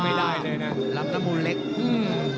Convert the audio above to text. ไม่ได้เลยนะหลับสมุทรเล็กอืม